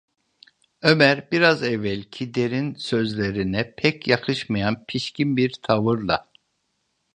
Ömer biraz evvelki derin sözlerine pek yakışmayan pişkin bir tavırla: